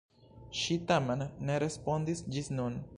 Ŝi tamen ne respondis ĝis nun.